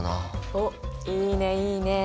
おっいいねいいね！